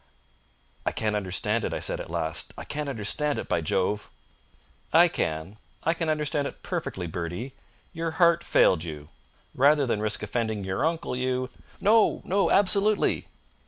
"I can't understand it," I said at last. "I can't understand it, by Jove!" "I can. I can understand it perfectly, Bertie. Your heart failed you. Rather than risk offending your uncle you " "No, no! Absolutely!"